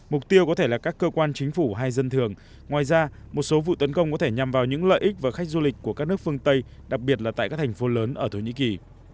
mục tiêu có thể là các cơ quan chính phủ hay dân thường ngoài ra một số vụ tấn công có thể nhằm vào những lợi ích và khách du lịch của các nước phương tây đặc biệt là tại các thành phố lớn ở thổ nhĩ kỳ